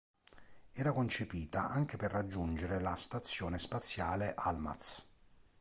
Era concepita anche per raggiungere la stazione spaziale Almaz.